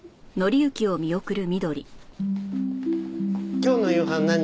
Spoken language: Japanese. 今日の夕飯何？